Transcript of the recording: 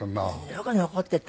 よく残っていた。